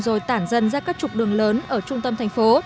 rồi tản dân ra các trục đường lớn ở trung tâm thành phố